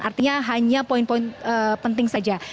artinya hanya poin poin penting saja